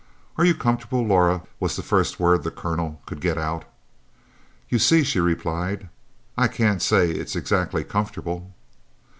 "Are you comfortable, Laura?" was the first word the Colonel could get out. "You see," she replied. "I can't say it's exactly comfortable."